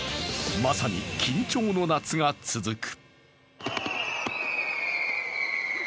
まさに緊張の夏が続く。